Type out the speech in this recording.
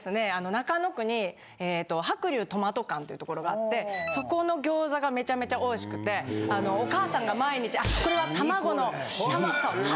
中野区に「白龍トマト館」っていう所があってそこの餃子がめちゃめちゃ美味しくてあのお母さんが毎日あっこれは玉子の羽。